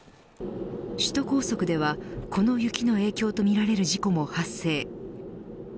首都高速ではこの雪の影響とみられる事故も発生。